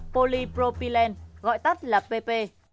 polypropylene gọi tắt là pp